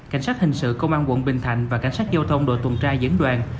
cảnh sát hình sự công an quận bình thành và cảnh sát giao thông đội tuần trai dẫn đoàn